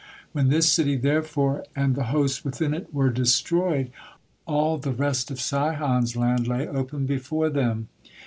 When this city therefore and the hosts within it were destroyed, all the rest of Sihon's land lay open before them.